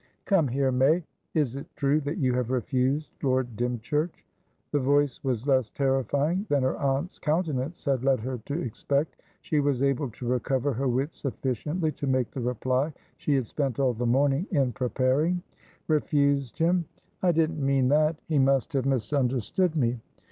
"Come here, May. Is it true that you have refused Lord Dymchurch?" The voice was less terrifying than her aunt's countenance had led her to expect. She was able to recover her wits sufficiently to make the reply she had spent all the morning in preparing. "Refused him? I didn't mean that. He must have misunderstood me."